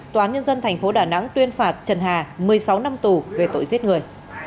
tòa án nhân dân tp đà nẵng tuyên phạt trần hà một mươi sáu năm tù về tội giết người